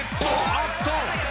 あっと！